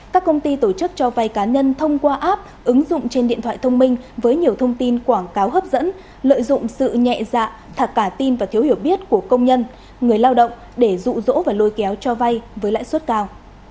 các công ty tổ chức cho vay cá nhân thông qua app ứng dụng trên điện thoại thông minh với nhiều thông tin quảng cáo hấp dẫn lợi dụng sự nhẹ dạ cả tin và thiếu hiểu biết của công nhân người lao động để rụ rỗ và lôi kéo cho vay với lãi suất cao